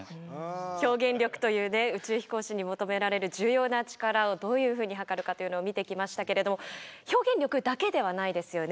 表現力というね宇宙飛行士に求められる重要な力をどういうふうに測るかというのを見てきましたけれども表現力だけではないですよね。